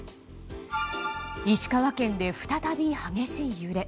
石川県で再び激しい揺れ。